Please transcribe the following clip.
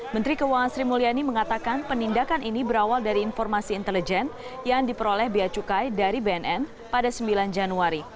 menteri keuangan sri mulyani mengatakan penindakan ini berawal dari informasi intelijen yang diperoleh bia cukai dari bnn pada sembilan januari